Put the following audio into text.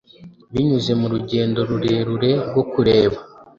Binyuze mu rugendo rurerure rwo kureba